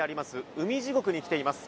海地獄に来ています。